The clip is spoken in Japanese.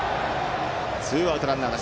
ツーアウトランナーなし。